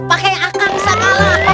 pakai akang saja